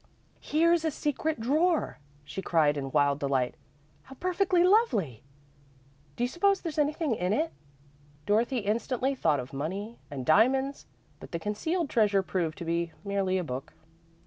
"Here's a secret drawer!" she cried, in wild delight. "How perfectly lovely! Do you suppose there's anything in it?" Dorothy instantly thought of money and diamonds, but the concealed treasure proved to be merely a book.